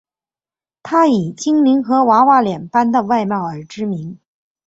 她以精灵和娃娃脸般的外貌而知名。